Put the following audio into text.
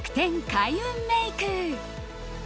開運メイク。